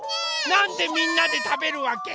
なんでみんなでたべるわけ？